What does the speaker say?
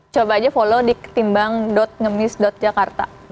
coba aja follow di ketimbang ngemis jakarta